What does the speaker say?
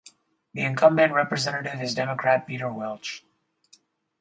The incumbent representative is Democrat Peter Welch.